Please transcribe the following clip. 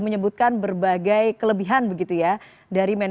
mujurkan kepentingan keadaan